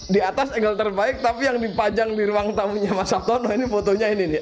di atas angle terbaik tapi yang dipajang di ruang tamunya mas sabtono ini fotonya ini nih